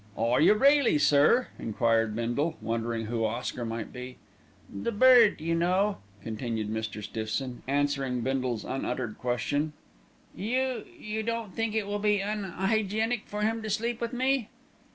"Are you really, sir?" enquired Bindle, wondering who Oscar might be. "The bird, you know," continued Mr. Stiffson, answering Bindle's unuttered question. "You you don't think it will be unhygienic for him to sleep with me?"